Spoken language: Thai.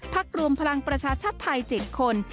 รวมพลังประชาชาติไทย๗คน